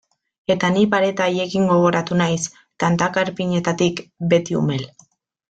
Eta ni pareta haiekin gogoratu naiz, tantaka erpinetatik, beti umel.